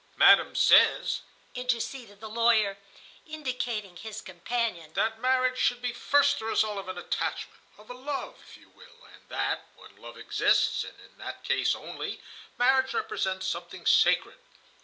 "Madam says," interceded the lawyer indicating his companion, "that marriage should be first the result of an attachment, of a love, if you will, and that, when love exists, and in that case only, marriage represents something sacred.